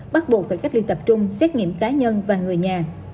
bắt buộc phải cách ly tập trung xét nghiệm cá nhân và người nhà